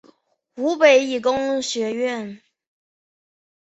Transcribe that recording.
湖北理工学院